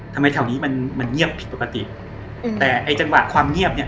ทำไมแถวนี้มันเงียบผิดปกติแต่จังหวะความเงียบ